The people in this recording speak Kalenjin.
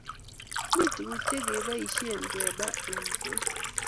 mi tuguk che kibaishen keba eng bek